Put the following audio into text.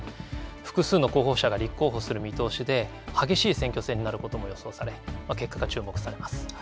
複数の候補者が立候補する見通しで、激しい選挙戦になることも予想され、結果が注目されます。